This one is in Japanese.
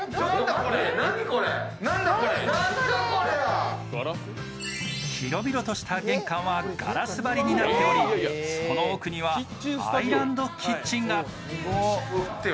これ何これはガラス張りになっておりその奥にはアイランドキッチンが待ってよ